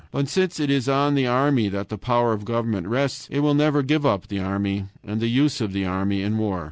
But since it is on the army that the power of government rests, it will never give up the army, and the use of the army in war.